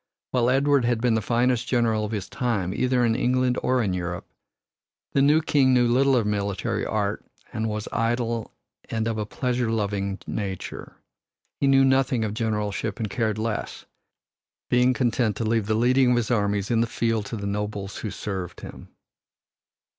While Edward had been the finest general of his time either in England or in Europe, the new king knew little of military art and was idle and of a pleasure loving nature. He knew nothing of generalship and cared less, being content to leave the leading of his armies in the field to the nobles who served him.